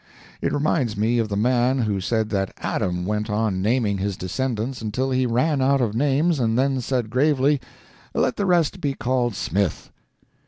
It reminds me of the man who said that Adam went on naming his descendants until he ran out of names and then said gravely, "Let the rest be called Smith."